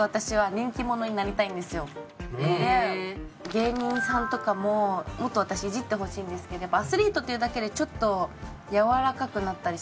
芸人さんとかももっと私イジってほしいんですけどやっぱアスリートというだけでちょっとやわらかくなったりするじゃないですか。